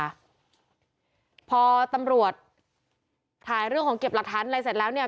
พอตำรวจถ่ายเรื่องของเก็บหลักฐานอะไรเสร็จแล้วเนี่ย